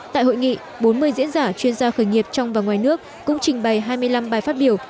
tại hội nghị bốn mươi diễn giả chuyên gia khởi nghiệp trong và ngoài nước cũng trình bày hai mươi năm bài phát biểu